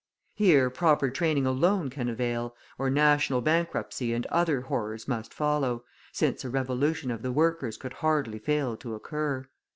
Here proper training alone can avail, or national bankruptcy and other horrors must follow, since a revolution of the workers could hardly fail to occur.